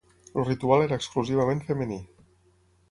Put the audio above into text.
El ritual era exclusivament femení.